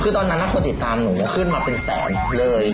คือตอนนั้นคนติดตามหนูขึ้นมาเป็นแสนเลย